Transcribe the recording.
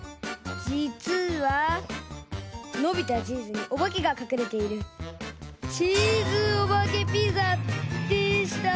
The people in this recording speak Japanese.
じつはのびたチーズにおばけがかくれている「チーズおばけピザ」でした。